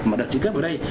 mà đợt trĩ cấp ở đây